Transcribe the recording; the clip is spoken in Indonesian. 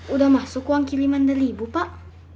udah masuk uang kiriman dari ibu pak